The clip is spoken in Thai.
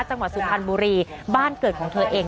จังหวัดสุพรรณบุรีบ้านเกิดของเธอเอง